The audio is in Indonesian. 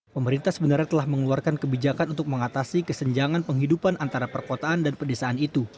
pemerintah sebenarnya telah mengeluarkan kebijakan untuk mengatasi kesenjangan penghidupan antara perkotaan dan pedesaan itu